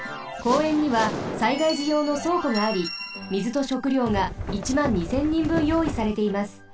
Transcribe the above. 公園には災害じようのそうこがあり水と食料が１２０００人分よういされています。